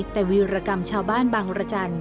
แต่วิวรกรรมชาวบ้านบางรจร